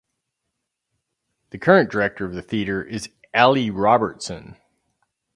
The current director of the theatre is Ali Robertson.